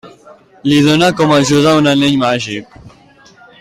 Li dóna com a ajuda un anell màgic.